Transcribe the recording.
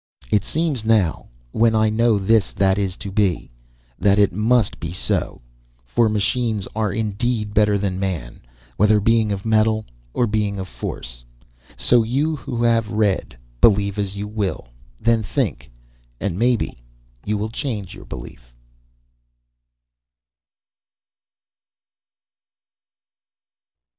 It seems now, when I know this that is to be, that it must be so, for machines are indeed better than man, whether being of Metal, or being of Force. So, you who have read, believe as you will. Then think and maybe, you will change your belief.